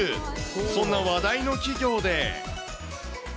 そんな話題の企業で。